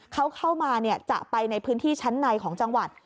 เขาเข้ามาจะไปในพื้นที่ชั้นในของจังหวัด